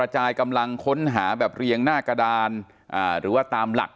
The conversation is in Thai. จายกำลังค้นหาแบบเรียงหน้ากระดานหรือว่าตามหลัก